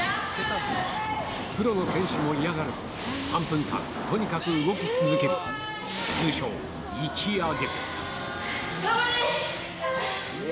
プロの選手も嫌がる、３分間、とにかく動き続ける、通称、頑張れ！